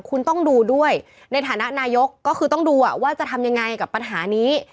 คุณต้องดูด้วยในฐานะนายกก็คือต้องดูว่าจะทำยังไงกับปัญหานี้